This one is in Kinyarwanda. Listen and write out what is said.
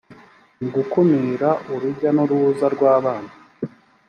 mu gukumira urujya n uruza rw abana